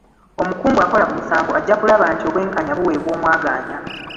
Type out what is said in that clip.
Omukungu akola ku misango ajja kulaba nti obwenkanya buweebwa omwagaanya.